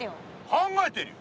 考えてるよ！